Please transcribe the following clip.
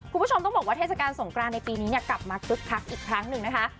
คุณผู้ชมต้องบอกว่าเทศกาลสงกรานในปีนี้กลับมาคึกคักอีกครั้งหนึ่งนะคะ